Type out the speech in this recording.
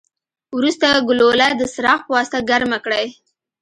وروسته ګلوله د څراغ پواسطه ګرمه کړئ.